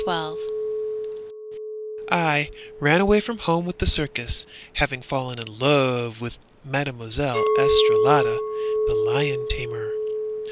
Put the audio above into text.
Sam Hookey I ran away from home with the circus, Having fallen in love with Mademoiselle Estralada, The lion tamer.